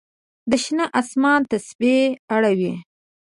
د شنه آسمان تسپې اړوي